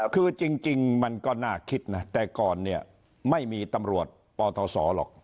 คือจริงมันก็น่าคิดนะแต่ก่อนเนี่ยไม่มีตำรวจปทศหรอก